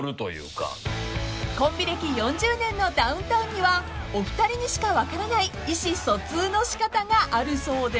［コンビ歴４０年のダウンタウンにはお二人にしか分からない意思疎通の仕方があるそうで］